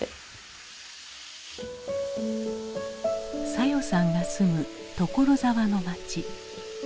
早代さんが住む所沢の街。